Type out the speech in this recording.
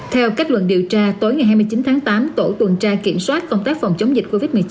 theo kết luận điều tra tối ngày hai mươi chín tháng tám tổ tuần tra kiểm soát công tác phòng chống dịch covid một mươi chín